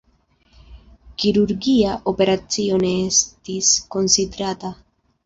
Kirurgia operacio ne estis konsiderata.